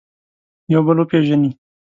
یو بل وپېژني.